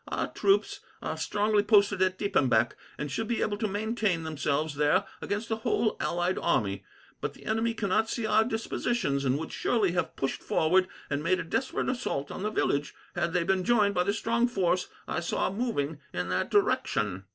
Our troops are strongly posted at Diepenbeck, and should be able to maintain themselves there against the whole allied army; but the enemy cannot see our dispositions, and would surely have pushed forward and made a desperate assault on the village, had they been joined by the strong force I saw moving in that direction.